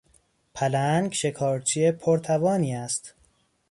پلنگ شکارچی پرتوانی است.